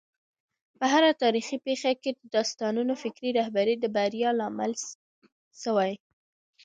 په هره تاریخي پېښه کي د استادانو فکري رهبري د بریا لامل سوی.